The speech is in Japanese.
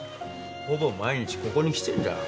ほぼ毎日ここに来てんじゃん。